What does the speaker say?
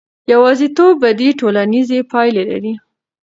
یوازیتوب بدې ټولنیزې پایلې لري.